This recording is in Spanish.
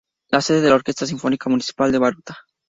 Es la sede de la Orquesta Sinfónica Municipal de Baruta.